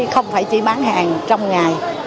không phải chỉ bán hàng trong ngày